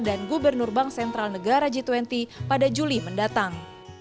dan gubernur bank sentral negara g dua puluh pada juli mendatang